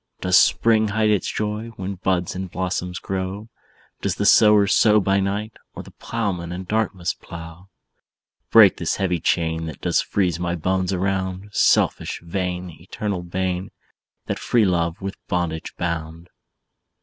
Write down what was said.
"Does spring hide its joy, When buds and blossoms grow? Does the sower Sow by night, Or the plowman in darkness plough? "Break this heavy chain, That does freeze my bones around! Selfish, vain, Eternal bane, That free love with bondage bound."